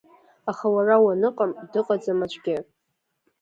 Аха уара уаныҟамДыҟаӡам аӡәгьы!